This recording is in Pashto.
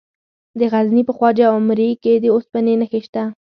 د غزني په خواجه عمري کې د اوسپنې نښې شته.